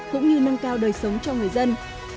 cũng như nâng cao đời sống cho người dân